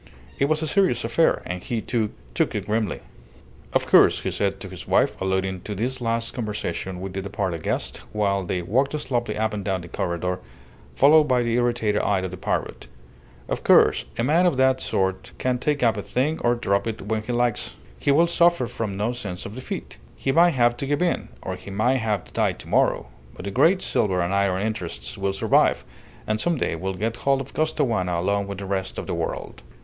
It was a serious affair, and he, too, took it grimly. "Of course," he said to his wife, alluding to this last conversation with the departed guest, while they walked slowly up and down the corredor, followed by the irritated eye of the parrot "of course, a man of that sort can take up a thing or drop it when he likes. He will suffer from no sense of defeat. He may have to give in, or he may have to die to morrow, but the great silver and iron interests will survive, and some day will get hold of Costaguana along with the rest of the world."